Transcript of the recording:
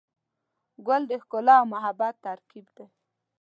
ګل د ښکلا او محبت ترکیب دی.